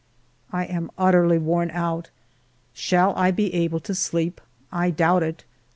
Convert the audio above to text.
I am utterly worn out. Shall I be able to sleep ? I doubt it.